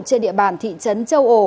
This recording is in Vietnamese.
trên địa bàn thị trấn châu ổ